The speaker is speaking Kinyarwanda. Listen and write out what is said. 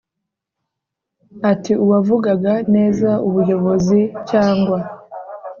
ati uwavugaga neza ubuyobozi cyangwa